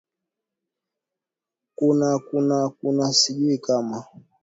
kuna kuna kuna sijui kama